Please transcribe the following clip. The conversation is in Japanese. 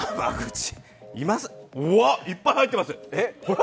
わっ、いっぱい入ってます。